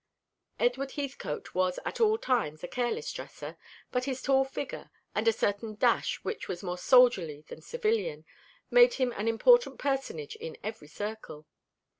Edward Heathcote was at all times a careless dresser, but his tall figure, and a certain dash which was more soldierly than civilian, made him an important personage in every circle.